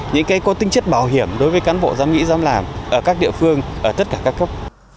những cái có tính chất bảo hiểm đối với cán bộ dám nghĩ dám làm ở các địa phương ở tất cả các cấp